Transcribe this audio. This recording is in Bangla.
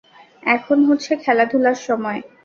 এখন হচ্ছে খেলাধূলার সময়!